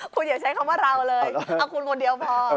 คุณอย่าใช้คำว่าเราเลยเอาคุณคนเดียวพอ